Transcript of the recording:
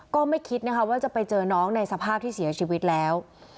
ก็ไม่คิดนะคะว่าจะไปเจอน้องในสภาพที่เสียชีวิตแล้ว